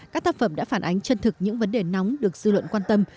các tác phẩm đã phản ánh chân thực những vấn đề nóng được dư luận quan tâm